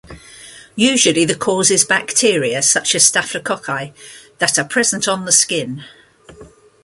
Usually, the cause is bacteria such as staphylococci that are present on the skin.